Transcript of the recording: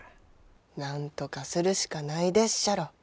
なんとかするしかないでっしゃろ。